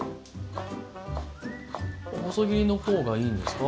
細切りの方がいいんですか？